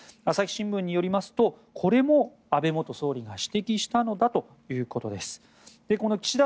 朝日新聞によりますとこれも安倍元総理が指摘したのではということです。